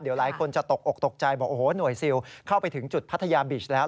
เดี๋ยวหลายคนจะตกอกตกใจบอกโอ้โหหน่วยซิลเข้าไปถึงจุดพัทยาบีชแล้ว